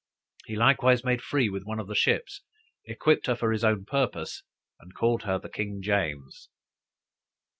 He likewise made free with one of the ships, equipped her for his own purpose, and called her the King James.